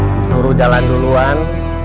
disuruh jalan duluan